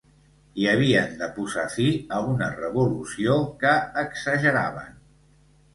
I havien de posar fi a una revolució que exageraven.